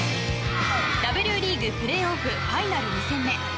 Ｗリーグプレーオフファイナル２戦目。